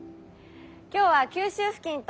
今日は九州付近と。